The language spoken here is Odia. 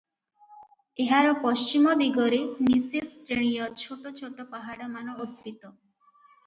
ଏହାର ପଶ୍ଚିମଦିଗରେ ନିସିସ୍ ଶ୍ରେଣୀୟ ଛୋଟ ଛୋଟ ପାହାଡମାନ ଉତ୍ପିତ